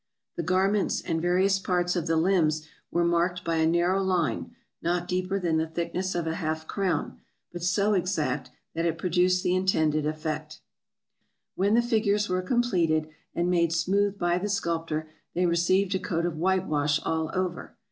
The garments, and various parts of the limbs, were marked by a narrow line, not deeper than the thickness of a half crown, but so exact that it produced the intended effect. When the figures were completed and made smooth by the sculptor, they received a coat of whitewash all over.